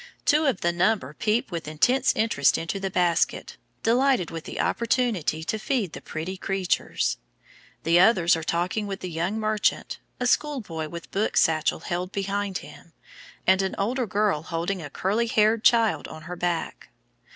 Two of the number peep with intense interest into the basket, delighted with the opportunity to feed the pretty creatures. The others are talking with the young merchant, a school boy with book satchel held behind him, and an older girl holding a curly haired child on her back.